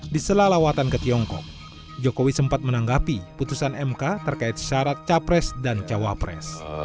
di sela lawatan ke tiongkok jokowi sempat menanggapi putusan mk terkait syarat capres dan cawapres